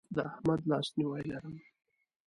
د احمد لاسنیوی لرم.